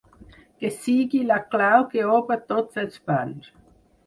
Que sigui la clau que obre tots els panys.